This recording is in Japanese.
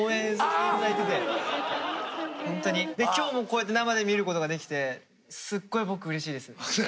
ホントに今日もこうやって生で見ることができてすっごい僕うれしいです。